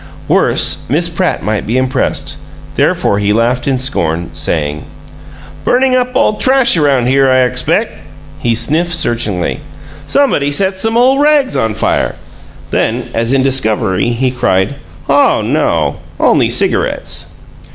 Worse, Miss Pratt might be impressed, therefore he laughed in scorn, saying: "Burnin' up ole trash around here, I expect!" He sniffed searchingly. "Somebody's set some ole rags on fire." Then, as in discovery, he cried, "Oh no, only cigarettes!"